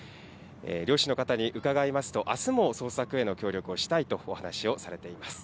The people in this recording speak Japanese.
漁師の方に伺いますと、あすも捜索への協力をしたいとお話をされています。